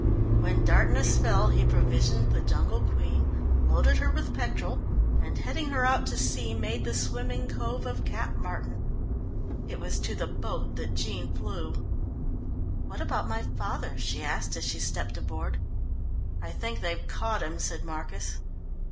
When darkness fell he provisioned the Jungle Queen, loaded her with petrol, and heading her out to sea made the swimming cove of Cap Martin. It was to the boat that Jean flew. "What about my father?" she asked as she stepped aboard. "I think they've caught him," said Marcus.